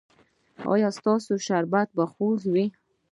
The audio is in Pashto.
ایا ستاسو شربت به خوږ وي؟